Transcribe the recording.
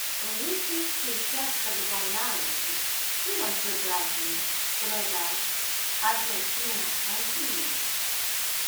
With his preceptor, Bonaldi, he went to Brazil, Uruguay, Argentina and Chile.